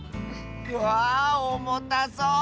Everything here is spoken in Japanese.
わあおもたそう。